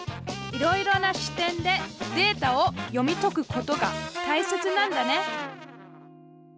いろいろな視点でデータを読み解くことがたいせつなんだね。